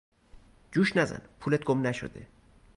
جوش نزن پولت گم نشده.